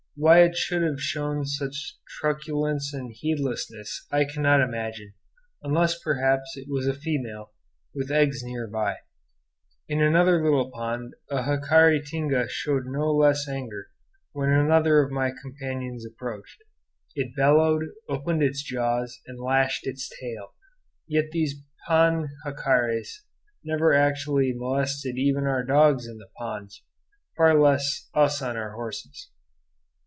Why it should have shown such truculence and heedlessness I cannot imagine, unless perhaps it was a female, with eggs near by. In another little pond a jacare tinga showed no less anger when another of my companions approached. It bellowed, opened its jaws, and lashed its tail. Yet these pond jacares never actually molested even our dogs in the ponds, far less us on our horses.